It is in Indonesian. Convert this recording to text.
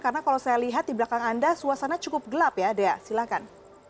karena kalau saya lihat di belakang anda suasana cukup gelap ya dea silahkan